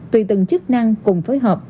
tùy từng chức năng cùng phối hợp